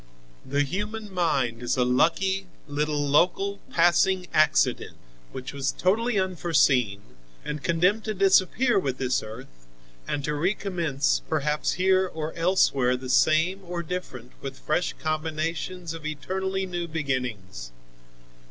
The human mind is a lucky little local, passing accident which was totally unforeseen, and condemned to disappear with this earth and to recommence perhaps here or elsewhere the same or different with fresh combinations of eternally new beginnings.